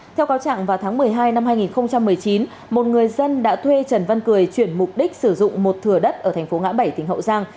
theo cáo trạng vào tháng một mươi hai năm hai nghìn một mươi chín một người dân đã thuê trần văn cười chuyển mục đích sử dụng một thừa đất ở thành phố ngã bảy tỉnh hậu giang